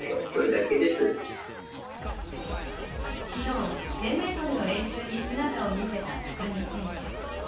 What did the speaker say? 昨日、１０００メートルの練習に姿を見せた高木選手。